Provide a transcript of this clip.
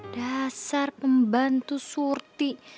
dasar pembantu surti